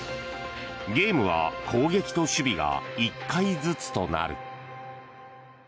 ゲームは攻撃と守備が１回ずつとなる。